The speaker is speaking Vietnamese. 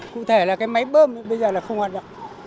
cụ thể là cái máy bơm bây giờ là không hoạt động